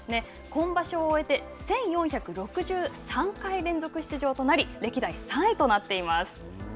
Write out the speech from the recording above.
今場所を終えて１４６３回連続出場となり歴代３位となっています。